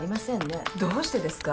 どうしてですか？